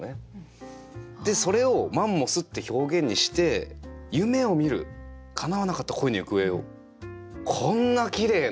でそれを「マンモス」って表現にして「夢を見る叶わなかった恋の行方を」。こんなきれい何か。